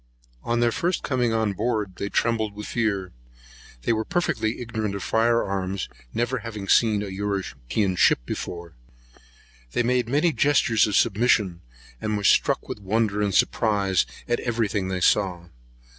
On their first coming on board, they trembled for fear. They were perfectly ignorant of fire arms, never having seen a European ship before. They made many gestures of submission, and were struck with wonder and surprise at every thing they saw.